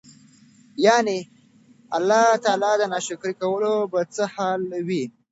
يعني الله تعالی د ناشکري کولو به څه حال وي؟!!.